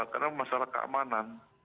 karena masalah keamanan